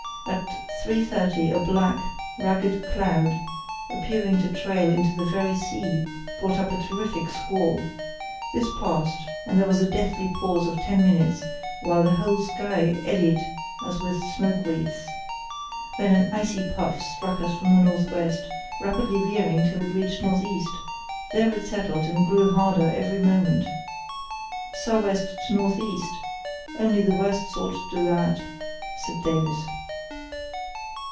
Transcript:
At 3.30 a black, ragged cloud, appearing to trail into the very sea, brought up a terrific squall. This passed, and there was a deathly pause of ten minutes while the whole sky eddied as with smoke wreaths. Then an icy puff struck us from the north west, rapidly veering till it reached north east; there it settled and grew harder every moment. "'Sou' west to north east—only the worst sort do that,' said Davies.